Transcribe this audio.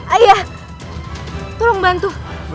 ayah tolong bantu